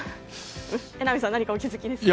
榎並さん、何かお気づきですか？